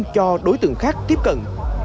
cho đối tượng khác tiếp cận